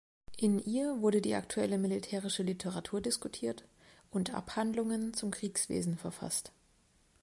In ihr wurde die aktuelle militärische Literatur diskutiert und Abhandlungen zum Kriegswesen verfasst.